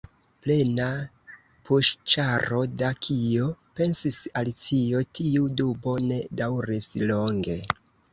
"Plena puŝĉaro da kio?" pensis Alicio. Tiu dubo ne daŭris longe.